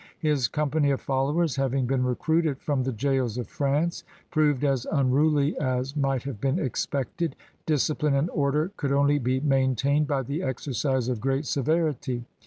His company of followers, having been recruited from the jails of France, proved as unruly as might have been expected. Discipline and order could only be maintained by the exercise of great sever ity.